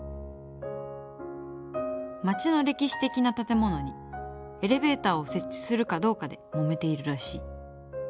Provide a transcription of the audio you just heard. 町の歴史的な建物にエレベーターを設置するかどうかでもめているらしい。